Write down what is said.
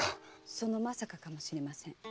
その「まさか」かもしれません。